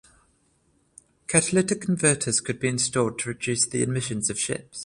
Catalytic converters could be installed to reduce the emissions of ships.